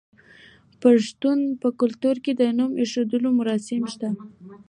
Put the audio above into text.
د پښتنو په کلتور کې د نوم ایښودلو مراسم شته.